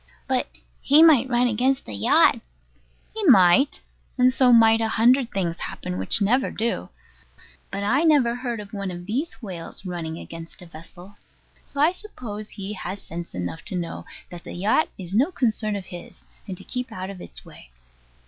But he might run against the yacht. He might: and so might a hundred things happen which never do. But I never heard of one of these whales running against a vessel; so I suppose he has sense enough to know that the yacht is no concern of his, and to keep out of its way.